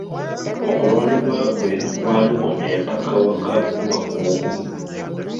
Okulondebwa kwe kwalimu empakawaka mu Bakungu.